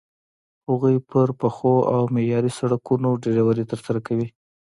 هغوی پر پخو او معیاري سړکونو ډریوري ترسره کوي.